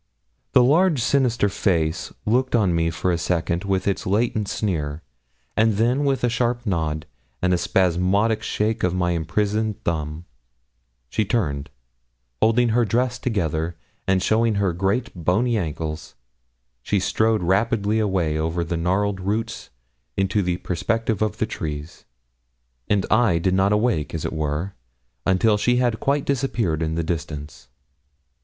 The large sinister face looked on me for a second with its latent sneer, and then, with a sharp nod and a spasmodic shake of my imprisoned thumb, she turned, and holding her dress together, and showing her great bony ankles, she strode rapidly away over the gnarled roots into the perspective of the trees, and I did not awake, as it were, until she had quite disappeared in the distance.